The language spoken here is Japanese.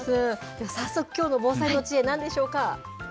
では、早速きょうの防災の知恵、なんでしょうか。